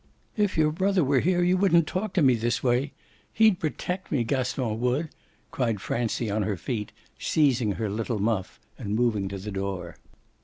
"If your brother were here you wouldn't talk to me this way he'd protect me, Gaston would!" cried Francie, on her feet, seizing her little muff and moving to the door.